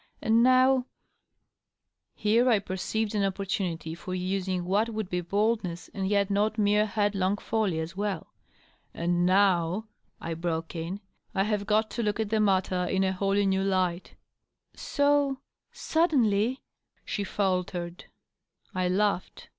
And now " Here I perceived an opportunity for using what would be boldness and yet not mere headlong folly as well. " And now," I broke in, " I have got to look at the matter in a wholly new light.", " So .. suddenly ?" she faltered I laughed.